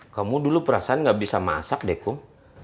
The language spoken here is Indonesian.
kamu dulu perasaan gak bisa masak deh kum